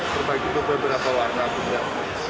terbagi beberapa warna juga